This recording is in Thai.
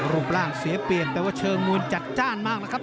รูปร่างเสียเปลี่ยนแต่ว่าเชิงมวยจัดจ้านมากนะครับ